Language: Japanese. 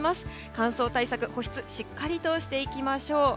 乾燥対策、保湿しっかりとしていきましょう。